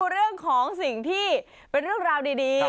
เรื่องของสิ่งที่เป็นเรื่องราวดี